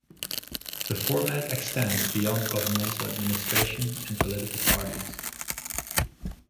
The format extends beyond governmental administration and political parties.